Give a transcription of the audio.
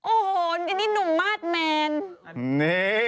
โอ้โหนี่นี่นุ่มมาสแมน